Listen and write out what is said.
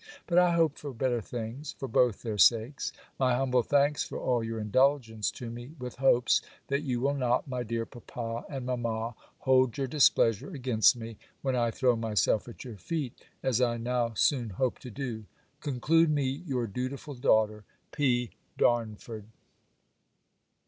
But I hope for better things, for both their sakes. My humble thanks for all your indulgence to me, with hopes, that you will not, my dear papa and mamma, hold your displeasure against me, when I throw myself at your feet, as I now soon hope to do. Conclude me your dutiful daughter, P. DARNFORD.